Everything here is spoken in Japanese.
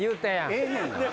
ええねんな？